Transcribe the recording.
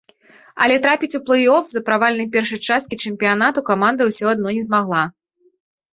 Але трапіць у плэй-оф з-за правальнай першай часткі чэмпіянату каманда ўсё адно не змагла.